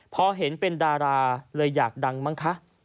พอเห็นเป็นดาราเลยอยากดังมั้งคะ